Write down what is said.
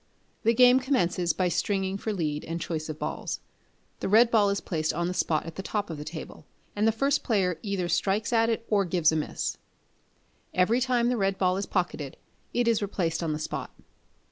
The game commences by stringing for lead and choice of balls. The red ball is placed on the spot at the top of the table, and the first player either strikes at it, or gives a miss. Every time the red ball is pocketed, it is replaced on the spot.